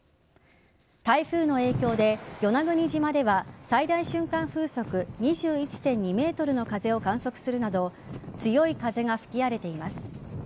台風の影響で与那国島では最大瞬間風速２１．２メートルの風を観測するなど強い風が吹き荒れています。